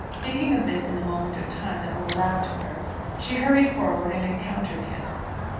Thinking of this in the moment of time that was allowed to her, she hurried forward and encountered him.